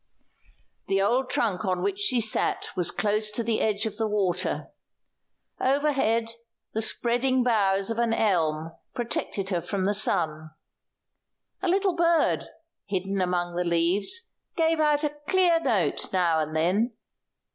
The old trunk on which she sat was close to the edge of the water. Overhead the spreading boughs of an elm protected her from the sun; a little bird, hidden among the leaves, gave out a clear note now and then.